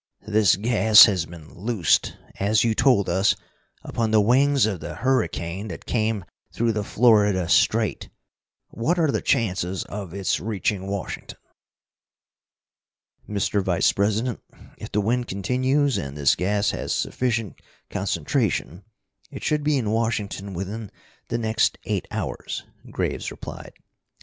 "This gas has been loosed, as you told us, upon the wings of the hurricane that came through the Florida Strait. What are the chances of its reaching Washington?" "Mr. Vice president, if the wind continues, and this gas has sufficient concentration, it should be in Washington within the next eight hours." Graves replied.